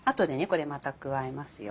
これまた加えますよ。